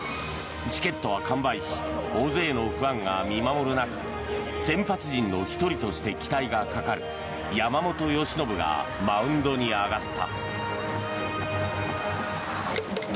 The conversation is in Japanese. チケットは完売し大勢のファンが見守る中先発陣の１人として期待がかかる山本由伸がマウンドに上がった。